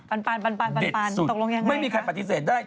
ปันตกลงอย่างไรคะเด็ดสุดไม่มีใครปฏิเสธได้